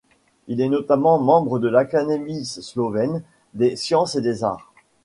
Il est notamment membre de l'Académie slovène des Sciences et des Arts.